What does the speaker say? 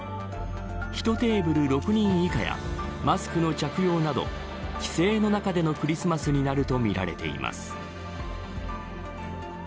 １テーブル６人以下やマスクの着用など規制の中でのクリスマスになるとみられています。